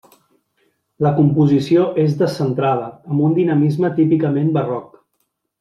La composició és descentrada, amb un dinamisme típicament barroc.